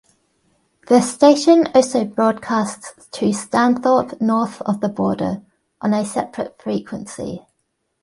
The station also broadcasts to Stanthorpe north of the border, on a separate frequency.